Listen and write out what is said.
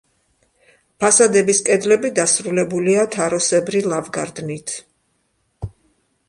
ფასადების კედლები დასრულებულია თაროსებრი ლავგარდნით.